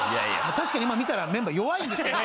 確かに今見たらメンバー弱いんですけど。